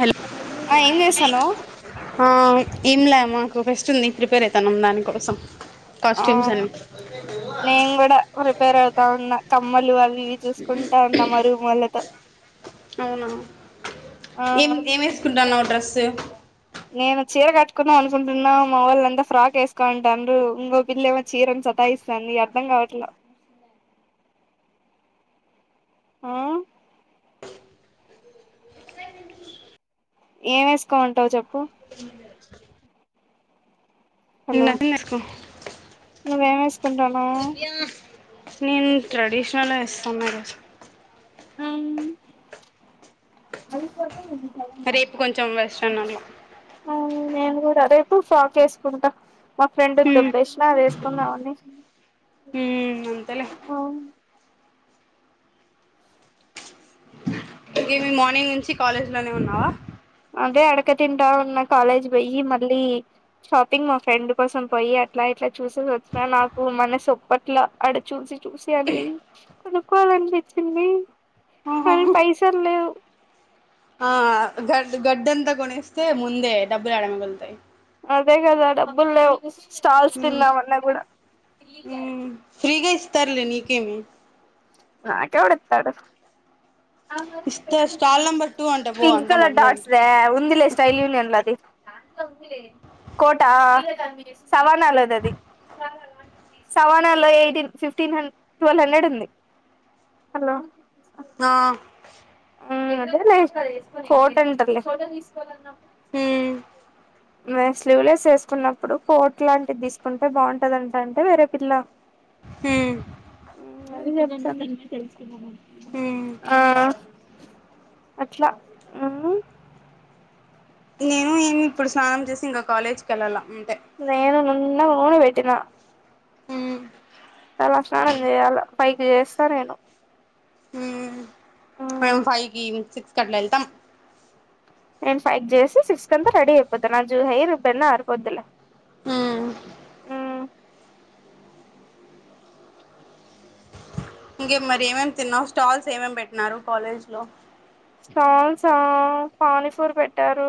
Hello ఆ ఏం చేస్తానవ్ ఆ ఎమ్ల అమ్మ సో ఫెస్ట్ ఉంది ప్రిపేర్ అవుతున్నాం దానికోసం ఆ కాస్ట్యూమ్స్ అని నేను కూడా ప్రిపేర్ అవుతా ఉన్నా కమ్మలు అవి ఇవి చూసుకుంటా ఉన్నా మా రూమ్ వల్లతో అవునా ఆ ఏం ఏం వేసుకుంటాన్నావు డ్రస్ నేను చీర కట్టుకుందాం అనుకుంటున్నా మా వాళ్ళ అంతా ఫ్రాక్ వేసుకో అంటారు ఇంకో పిల్ల ఏమో చీర అని సాతాయ్ ఇస్తంది అర్థం కావట్లా ఆ ఏం వేసుకోమంటావు చెప్పు ఈ నపిన్యేసుక్కో నువ్వు ఏం వేసుకుంటున్నావ్ నేను ట్రెడిషనల్ నేస్తాను రజు ఉమ్ అది రేపు కొంచెం వర్షనల్ల నేను కూడా రేపు ఫాక్ వేసుకుంటా మా ఫ్రెండ్ హ్మ్ దొబేసిన అది వే కుందామని హ్మ్ అంతేలే ఆ ఈవినింగ్ మార్నింగ్ నుంచి కాలేజ్ లోనే ఉన్నావా అదే అడక తింటా ఉన్న కాలేజ్ పోయి మళ్ళీ షాపింగ్ మా ఫ్రెండ్ కోసం పోయి అట్లా ఇట్లా చూసేసి వచ్చిన నాకు మనసు ఒప్పట్లే ఆడ చూసి చూసి అన్ని కొనుక్కోవాలనిపించింది ఓహో కానీ పైసలు లేవు ఆ గడ్ గడ్డంతా కొనిస్తే ముందే డబ్బులు ఏడ మిగులుతాయి అదే కదా డబ్బులు లేవు స్టాల్స్ హ్మ్ తిందామన్న కూడా హ్మ్ ఫ్రీగా ఇస్తారు లే నీకేమి నాకే ఎవడు ఇత్తాడు ఇస్తారు స్టాల్ నెంబర్ టూ అంట పో పింక్ అంత కలర్ మందే డాట్స్ అంట దే ఉందిలే స్టైల్ యూన్అన్లది కోట సవాణలాది సవాణలో ఎయిటిన్ పీట్టన్ ట్వెల్వ్ హ్యంరేండు ఉంది ఆ మ్ అదేలే ఫోటో ఉంటాది ‌ హ్మ్ నేను స్లీవ్ లస్ వేసుకున్నప్పుడు కోట్ లాంటిది తీసుకుంటే బాగుంటదింట అంటే వేరే పిల్ల హు మ్ అదే చెప్తా హ్మ్ ఆ అట్లా ఉ నేను ఇమ్ ఇప్పుడు స్నానం చేసి ఇంకా కాలేజ్ కి వెళ్ళాలా నేను నువ్వు ఉన్నావు వేట్టిన హ్మ్ తలస్థానం చేయాలి ఫైకే చేస్తా నేను హ్మ్ మేము ఫైవ్ కి సిక్స్క్ అట్లా వెళ్తాం నేను ఫైవ్ చేసి సిక్స్ కంతా రెడీ అయిపోతాను నా జూ హెయిర్ బెన్నా ఆరిపోద్దులే హ్మ్ ఇంకే మరి ఏమేం తిన్నావు స్టాల్స్ ఏమేమి పెట్టిన్నారు కాలేజ్ లో స్టాల్సా పానీపూరి పెట్టారు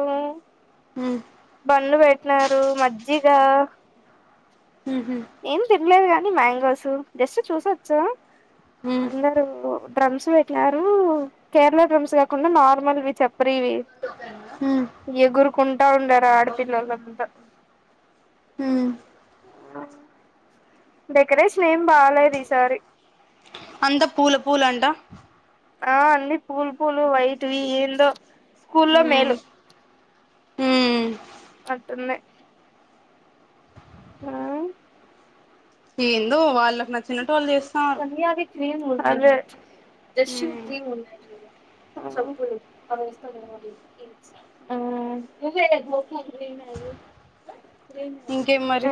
హ్మ్ బన్ను పెట్టినారు మజ్జిగా ఉ హు లేదు గానీ మ్యాంగోస్ జస్ట్ చూసొచ్చా హ్మ్ అందరు డ్రమ్స్ పెట్టినారు కేరళ డ్రమ్స్ కాకుండా నార్మలి వి చెప్పరివి హ్మ్ ఎగురుకుంటా ఉండారు ఆడపిల్లలంతా ఉ డెకరేషన్ ఏమి బాలేదు ఈసారి అంత పూల పూల అంట ఆ అన్ని పూలు పూలు వైట్వి ఎల్లో స్కూలో హ్మ్ మేలు హ్మ్ అట్టున్నాయి ఆ ఏందో వాళ్ళకి నచ్చినట్లు వాళ్ళు చేస్తారు క్రీమ్ ఉ దెష్ క్రీమ్ ఉన్నాయి స అస్ [unintelligible] [unintelligible] ఇంకేం మరి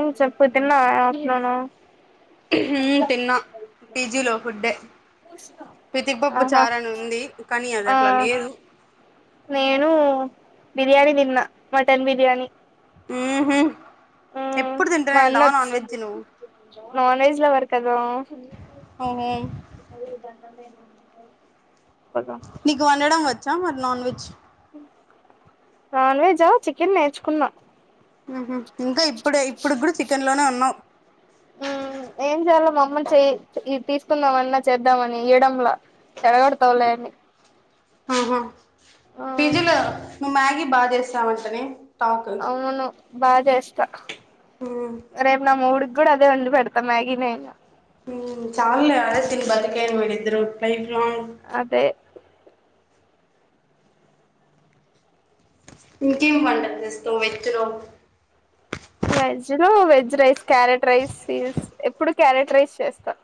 ఏం చెప్పు తిన్నావా ఆఫ్టర్నూన్ తిన్నా పీజీలో ఫుడ్డే పితిక్ పాప్పు ఆహా చారాని ఉంది కానీ అది ఆ అట్లా లేదు నేను బిర్యానీ తిన్నా మటన్ బిర్యానీ ఉహు ఉ ఎప్పుడు తింటూనే మల్ల ఉంటావా నాన్ వెజ్ వచ్చింది నువ్వు నాన్ వెజ్ లో పడతదో ఓహో నీకు వండం వచ్చా మరి నాన్ వెజ్ నాన్ వెెజా చికెన్ నేర్చుకున్నా ఇంకా ఇప్పుడే ఇప్పుడు కూడా చికెన్ లోనే ఉన్నావ్ ఏం చేయలో అమ్మని చెయ తీసుకుందామన్నా చేద్దామని ఇయ్యడాల చెడ కొడుతాలేన్ని ఆహా పిజిలో నువ్వు మ్యాగీ బాగా చేస్తావంటనే టాక్ అవును బాగా చేస్తా మ్మ్ రేపు నా మూడు కూడా అదే వండి పెడతా మ్యాగీ నే ఇగ ఉ చాల్లే అదే దీని బతుకేరు మీరిద్దరూ లైఫ్ లాంగ్ అదే ఇంకేం వంటల్ జేస్తవ్ వెజ్జ్ లో వెజ్ లో వెజ్ రైస్, క్యారెట్ రైస్ స్ ఎప్పుడు క్యారెట్ రైస్ చేస్తా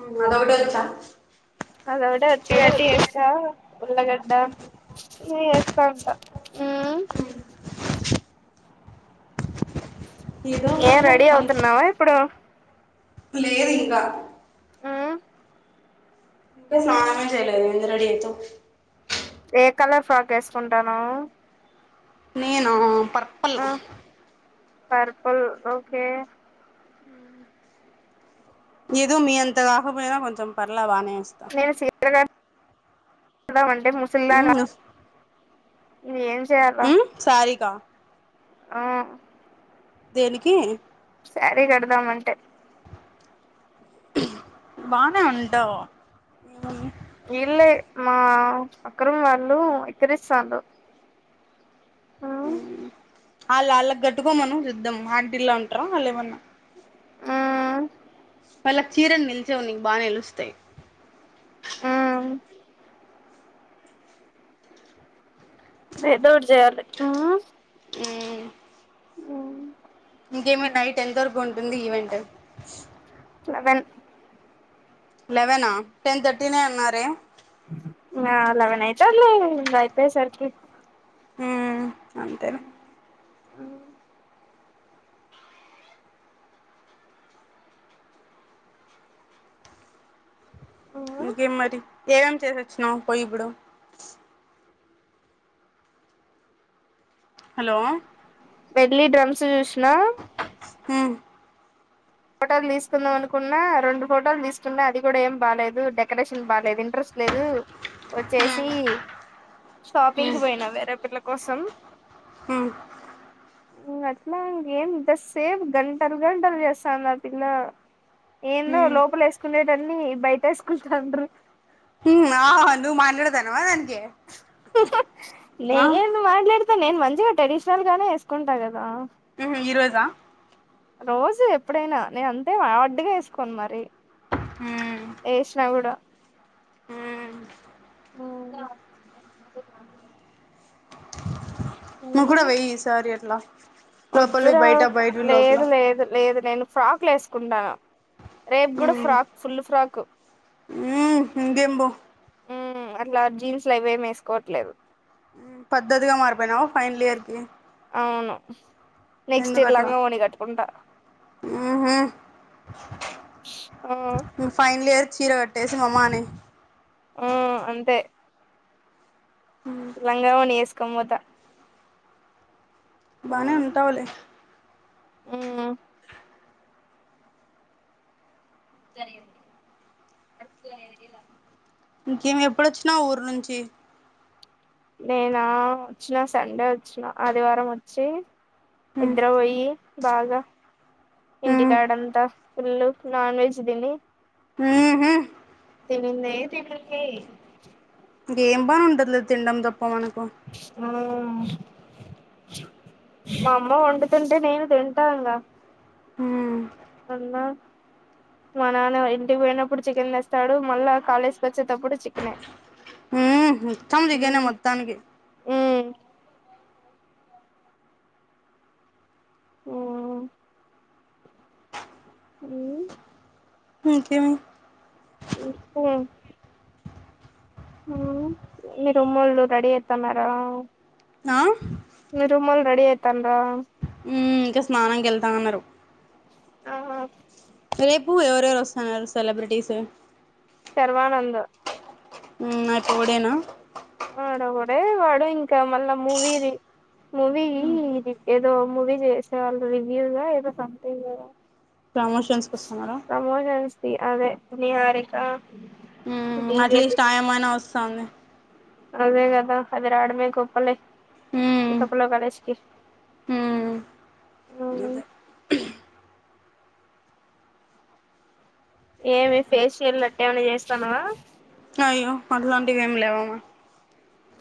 ఉమ్ అడొకటే వచ్చా అదోకటే వచ్చు గావట్టి చేస్తా ఉల్లగడ్డ ఇంగెస్ స్థావుంట ఉమ్ ఏదో ఏం ఒకటిలే రెడీ అవుతున్నావా ఇప్పుడు? గు లేదింకా మ్మ్ ఇంక స్నానమే జేయలేదు, ఎంత రడీ ఐతవ్ ఏ కలర్ ఫ్రాకేసుకుంటానవ్ నేను పర్పల్ పర్పుల్ ఓకే హ్మ్ ఎదో మీ అంతగాకపోయినా కొంచెం పర్లే బానే వేస్తా నేను సీర గడ్ గడదామంటే అంటే ముసల్దాన్ ఉమ్ ఇగ ఏం చేయాలా ఉమ్ సారిక ఆ దేనికి సారీ కడదామంటే బానే ఉంటావు ఈళ్ళే మా పక్కరూం వాళ్ళు ఇక్కిరిస్తాన్రు. ఆల్ ఆళ్ళగ్గట్టుకోమను జూద్దాం ఆంటీలంట్ర వాల్లేమన్నా మ్మ్ వాళ్ళక్ చీరల్ నిల్చోవు నీకు బా నిలుస్తాయి. ఆ ఏదోకటి జేయాలి ఉమ్ ఉమ్ ఇంకేమొ నైట్ ఎంత వరకు ఉంటుంది ఈవెంట్ లేవన్ లెవనా? టెన్ థర్టీ నె అన్నారే ఆ లెవన్ అయితదిలే అయిపోయేసరికి ఉమ్ అంతేలే ఉమ్ మ్మ్ ఇంకేం మరి? ఏమేం చేసొచ్చినావు పోయిప్పుడు? హలో పెళ్లి డ్రమ్స్ జూస్నా హ్మ్ ఫోటోల్ దీసుకుందామనుకున్నా, రెండు ఫోటోలు దీసుకున్నా అది గుడ ఏం బాలేదు డెకరేషన్ బాలేదు ఇంట్రస్ లేదు ఒచ్చేసి హ్మ్ షాపింగ్కి పోయిన వేరే పిల్ల కోసం హ్మ్ ఇంగట్లా ఏం ఇంతసేపు గంటల్ గంటల్ జేస్ ఏందో హ్మ్ లోపలేసుకునేటన్నీ బయటేసుకుంటాండ్రు హ్మ్ ఆ హా హా హ నువ్ మాట్లాడతానవా దాన్ గ్ నేన్ మాట్లాడుత్ తే నేను మంచిగ ట్రెడిషనల్ గానే ఏసుకుంటా గదా ఉమ్ హు ఈ రోజా రోజు ఎప్పుడైనా నేను అంతేమ్ ఆడ్డ్ గ ఏసుకోను మరి ఏష్న గూడ హ్మ్ ఉమ్ నువ్ కూడా వెయ్యి ఈ సారి అట్లా లోపలివి వద్దురా బయట బయటివి లోపల లేదు లేదు లేదు నేను ఫ్రాక్లు వేసుకుంటాన రేపు కూడా ఫ్రాక్ ఫుల్ ఫ్రాక్ హుమ్మ్ ఇంగెంబో హుమ్మ్ అట్లా జీన్స్ లవ్వేం వేసుకోవట్లేదు పద్ద్దతిగా మారిపోయినవ ఫైనల్ ఇయర్ కి అవును నెక్స్ట్ ఇయర్ లంగా ఓని కట్టుకుంటా మ్ ఆ హు ఫ్యానల్ ఇయర్ చీర కట్టే సి మమ్మానై హు అంతే లంగావోని వేసుకోనిపోత బానే ఉంటావులేి మ్మ్ సర అద ఇంకేం ఎప్పుడొచ్చినవ్ ఊరు నుంచి నేనా వచ్చిన సండే వచ్చిన ఆదివారం వచ్చి హ్మ్ నిద్ర పొయ్యి బాగా హ్మ్ ఇంటికాడంతా పుల్లు నాన్ వెజ్ తిని మ్మ్ హు తినిందే తినుల్లి ఇంకేం పని ఉంటుంది తిినడం తప్ప మనకు ఆ మా అమ్మ వండుతుంటే నేను తింటాంగా ఉమ్ అన్నా మా నాన్న ఇంటికి పోయినప్పుడు చికెన్ తెస్తాడు మళ్ళా కాలేజ్కి వచ్చేటప్పుడు చికెన్ మ్ హు సంజీగానే మొత్తానికి ఆ హు ఇంకేం కు హు మీ రూమోళ్ళు రెడీ అయితాన్నరా ఆ మీ రూమోళ్ళు రెడిీ అయితాండ్ర హు ఇంకా స్నాననికేళ్తా అన్నారు ఆహ రేపు ఎవరెవరు వస్తున్నారు సెలబ్రిటీస్ శర్వానంద్ హు మరి పోవుడేనా ఆడోగాడే వాడు ఇంకా మళ్ళా మూవీ ది మూవీ ఇది ఏదో మూవీ చేసేవాళ్ళు రివ్యూ దా ఏదో సంథింగ్ ప్రమోషన్స్కి వస్తున్నారా ని అదే నిహారిక డి ఉమ్ జె అట్లీస్ట్ టిల్లు ఆయమైనా వస్తాంది అదేగదా అదిరాడమే గోప్పలే ఉమ్ పప్పులో కాలేసుంటి అద ఏమి ఫేషియల్ నట్టేమైన్నా చేస్తాన్నవా అయ్యో అట్లాంటివి ఏం లేవామా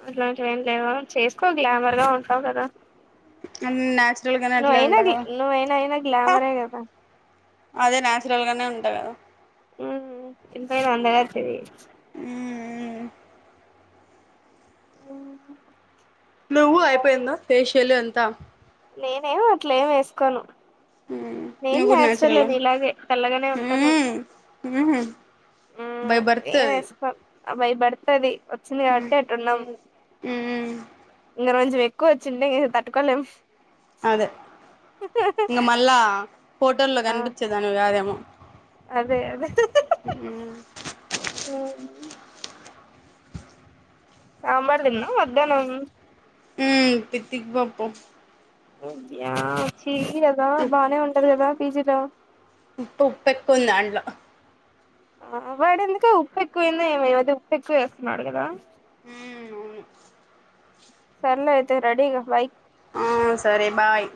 అట్లాంటివి ఏం లేవా చేసుకో గ్లామర్ గా ఉంటావు కదా అన్ని న్యాచురల్ గానే అట్లే నువైనా ఉంటా గ్ కదా నువైనా అయినా గ్లామరే కదా అదే నచురల్ గానే ఉంటా కదా మ్ హు ఎంతైనా అందేగత్తిది. ఉమ్ నువ్వు అయిపోయింద ఫేషియల్ అంత నేను అట్లేం వేసుకోను నేను నువ్వు కూడా న్యాచురలే నాచురలా నీ లాగే తెల్లగనే ఉంటాంలే. మ్ హు బై బర్త్ అది. ఆ బై బర్త్ అది వచ్చింది కాబట్టి అట్టున్నాం మ్మ్ ఇంగ రొంచెం ఎక్ ఎక్కువొచ్చింటే ఇంగ తట్టుకోలేం. అదే ఇంగ మళ్ళా ఫోటోల్లో ఆ కనిపిచ్చేదానివి కాదేమో అదే అదే సాంబార్ తిన్నా మధ్యాహ్నం మ్మ్ తిక్తిక్ పప్పు యా చెయ్యి కదా బానే ఉంటది కదా పీజీలో ఉత్త ఉప్పెక్కువుంది దాంట్లో ఆ వాడేందుకో ఉప్పెక్కువైందో ఏమో ఈ మధ్య ఉప్పెక్కువెస్తున్నాడు గదా మ్మ్మ్ అవును సర్లే అయితే రెడీగా బైయ్ ఆ సరే బాయ్.